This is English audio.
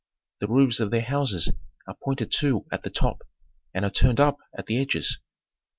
The roofs of their houses are pointed too at the top, and are turned up at the edges.